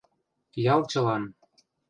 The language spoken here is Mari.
Ялчылан